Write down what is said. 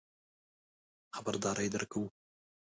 خبرداری درکوو.